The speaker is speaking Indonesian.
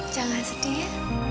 jangan sedih ya